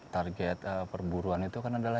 target perburuan itu kan adalah